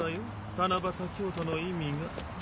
「七夕京都」の意味が。